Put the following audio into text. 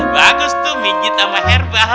bagus tuh mijit sama herbal